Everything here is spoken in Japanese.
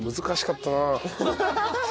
難しかったなあ。